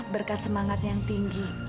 berkat semangat yang tinggi